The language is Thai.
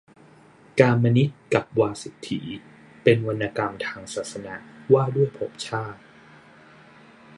กามนิตกับวาสิฎฐี เป็นวรรณกรรมทางศาสนาว่าด้วยภพชาติ